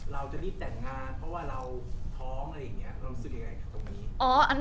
เราจะรีบแต่งงานเพราะว่าเราท้อง